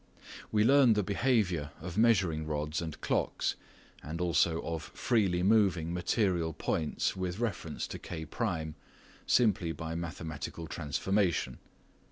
We learn the behaviour of measuring rods and clocks and also of freely moving material points with reference to K1 simply by mathematical transformation.